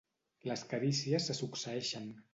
Les carícies se succeeixen.